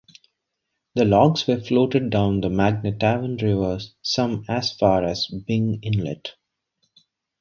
The logs were floated down the Magnetawan River, some as far as Byng Inlet.